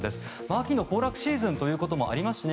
秋の行楽シーズンということもありますしね。